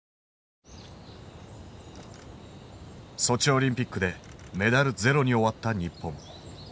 ソチオリンピックでメダルゼロに終わった日本。